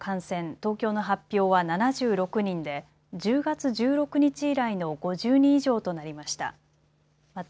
東京の発表は７６人で１０月１６日以来の５０人以上となりました。